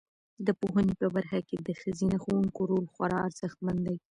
د پوهنې په برخه کې د ښځینه ښوونکو رول خورا ارزښتمن دی.